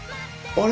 あれ？